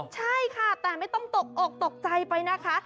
ใช่ค่ะแต่ไม่ต้องตกอกตกใจไปนะคะ